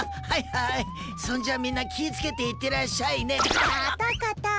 はいそんじゃみんな気ぃつけていってらっしゃいねぐぁっ！